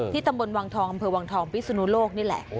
ตำบลวังทองอำเภอวังทองพิศนุโลกนี่แหละ